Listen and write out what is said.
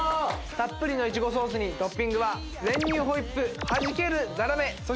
たっぷりのイチゴソースにトッピングは練乳ホイップ弾けるザラメそしてイチゴ。